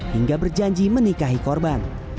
hingga berjanji menikahi korban